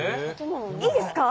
いいですか？